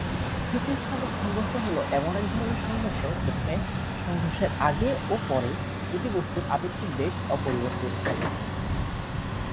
স্থিতিস্থাপক সংঘর্ষ হল এমন এক ধরনের সংঘর্ষ যেখানে সংঘর্ষের আগে ও পরে দুটি বস্তুর আপেক্ষিক বেগ অপরিবর্তিত থাকে।